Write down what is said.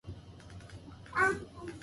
土地が荒れ痩せていること。